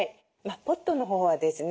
ポットのほうはですね